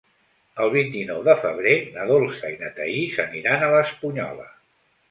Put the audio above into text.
El vint-i-nou de febrer na Dolça i na Thaís aniran a l'Espunyola.